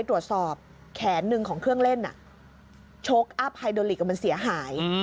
ตรวจสอบแขนหนึ่งของเครื่องเล่นชกอัพไฮโดลิกมันเสียหาย